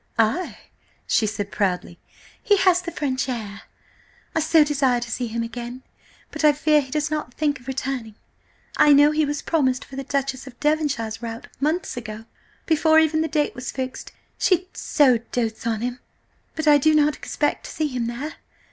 "Ay!" she said proudly. "He has the French air. ... I so desire to see him again, but I fear he does not think of returning. I know he was promised for the Duchess of Devonshire's rout months ago–before even the date was fixed, she so dotes on him–but I do not expect to see him there."